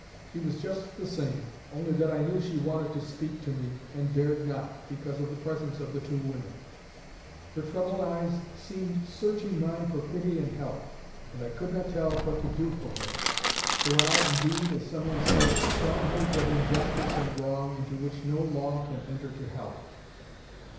She was just the same, only that I knew she wanted to speak to me, and dared not, because of the presence of the two women. Her troubled eyes seemed searching mine for pity and help, and I could not tell what to do for her. There are, indeed, as some one says, strongholds of injustice and wrong into which no law can enter to help.